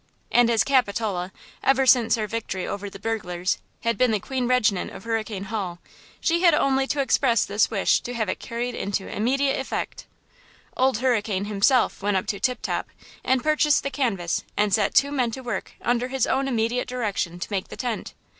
And as Capitola, ever since her victory over the burglars, had been the queen regnant of Hurricane Hall, she had only to express this wish to have it carried into immediate effect. Old Hurricane himself went up to Tip Top and purchased the canvas and set two men to work under his own immediate direction to make the tent.